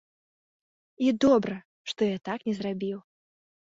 І добра, што я так не зрабіў.